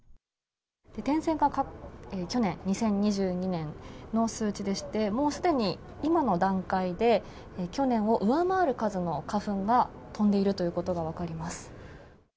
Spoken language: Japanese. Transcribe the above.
点線が去年・２０２２年の数値でして、もうすでに今の段階で、去年を上回る数の花粉が飛んでいるということが分かります。